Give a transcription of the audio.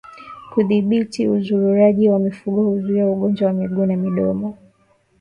Kudhibiti uzururaji wa mifugo huzuia ugonjwa wa miguu na midomo